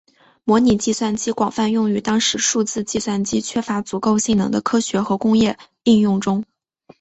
模拟计算机广泛用于当时数字计算机缺乏足够性能的科学和工业应用中。